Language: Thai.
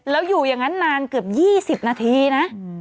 แล้วอยู่อย่างนั้นนานเกือบ๒๐นาทีนะ